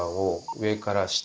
上から下。